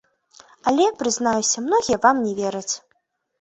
Але, прызнаюся, многія вам не вераць.